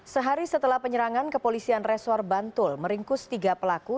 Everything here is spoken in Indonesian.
sehari setelah penyerangan kepolisian resor bantul meringkus tiga pelaku